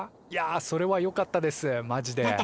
いやそれはよかったですマジで。